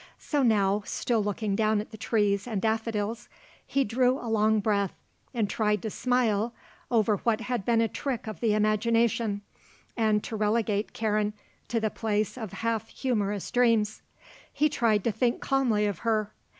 So now, still looking down at the trees and daffodils, he drew a long breath and tried to smile over what had been a trick of the imagination and to relegate Karen to the place of half humorous dreams. He tried to think calmly of her.